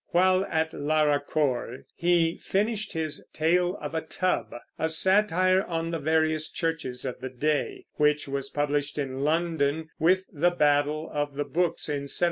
While at Laracor he finished his Tale of a Tub, a satire on the various churches of the day, which was published in London with the Battle of the Books in 1704.